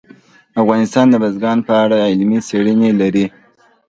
افغانستان د بزګان په اړه علمي څېړنې لري.